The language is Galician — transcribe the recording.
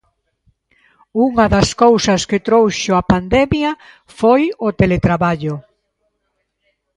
Unha das cousas que trouxo a pandemia foi o teletraballo.